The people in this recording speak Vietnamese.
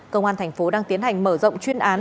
công an thành phố đang tiến hành mở rộng chuyên án